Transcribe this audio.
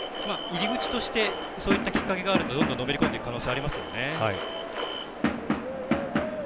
入り口としてそういったきっかけがあるとのめりこんでいく可能性がありますね。